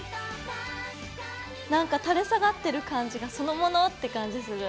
なんか垂れ下がってる感じがそのものって感じする。